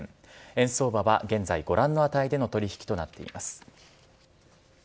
円相場は現在ご覧の値での取引となっています。